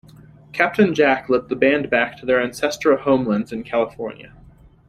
Captain Jack led the band back to their ancestral homelands in California.